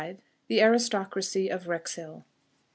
THE ARISTOCRACY OF WREXHILL.